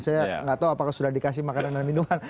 saya nggak tahu apakah sudah dikasih makanan dan minuman